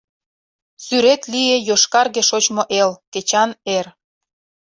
Сӱрет лие йошкарге Шочмо эл, кечан эр...